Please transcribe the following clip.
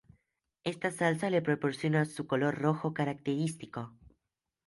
Esta salsa le proporciona su color rojo característico.